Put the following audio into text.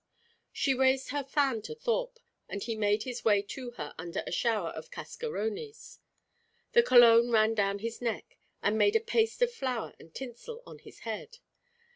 She raised her fan to Thorpe, and he made his way to her under a shower of cascarones. The cologne ran down his neck, and made a paste of flour and tinsel on his head.